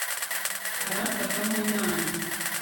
aramfata nk'umwana